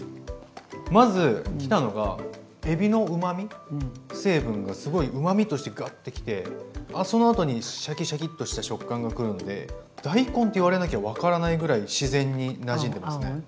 まず来たのがえびのうまみ成分がすごいうまみとしてガッてきてそのあとにシャキシャキッとした食感がくるんで大根って言われなきゃ分からないぐらい自然になじんでますね。